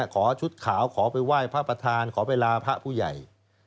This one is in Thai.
ขอชุดขาวขอไปไหว้พระประธานขอเวลาพระผู้ใหญ่